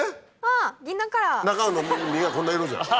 中の実がこんな色じゃん。